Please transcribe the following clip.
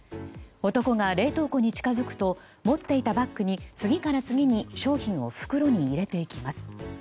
男が冷凍庫に近づくと持っていたバッグに次から次に商品を袋に入れていきます。